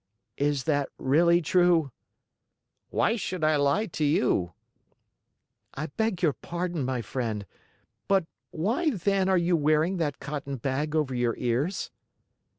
"Is that really true?" "Why should I lie to you?" "I beg your pardon, my friend, but why then are you wearing that cotton bag over your ears?"